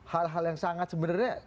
hal hal yang sangat sebenarnya